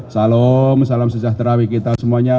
salam sejahtera kita semuanya